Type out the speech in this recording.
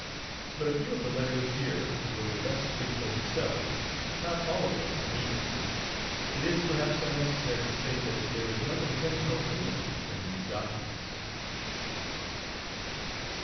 But a few of the letters here will best speak for themselves; not all of them are needed. It is perhaps unnecessary to say that there is no intentional humor in these documents.